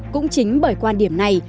cũng chính bởi quan điểm này